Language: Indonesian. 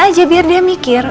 aja biar dia mikir